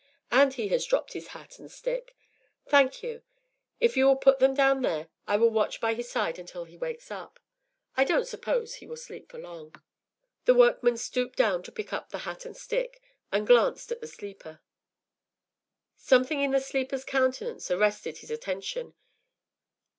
And he has dropped his hat and stick. Thank you. If you will put them down there, I will watch by his side until he wakes up. I don’t suppose he will sleep for long.” The workman stooped down to pick up the hat and stick, and glanced at the sleeper. Something in the sleeper’s countenance arrested his attention.